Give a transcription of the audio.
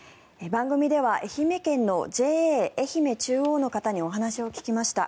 番組では愛媛県のＪＡえひめ中央の方にお話を聞きました。